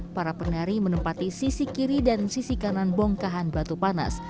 para penari menempati sisi kiri dan sisi kanan bongkahan batu panas